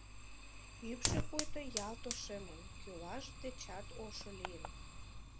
Ӱпшӧ пуйто ялт ошемын, кӱляш дечат ошо лийын.